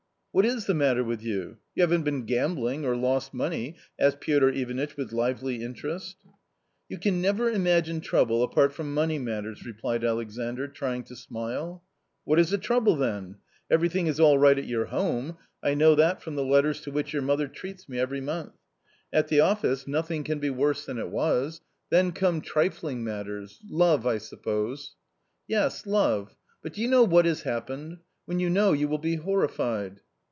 " What is the matter with you ? You haven't been gambling, or lost money ?" asked Piotr Ivanitch with lively interest "You can never imagine trouble apart from money matters I " replied Alexandr, trying to smile. " What is the trouble then ? Everything is all right at your home — I know that from the letters to which your mother treats me every month ; at the office nothing can be 128 A COMMON STORY worse than it was ; then come trifling matters — love, I suppose." " Yes, love ; but do you know what has happened ? when you know you will be horrified.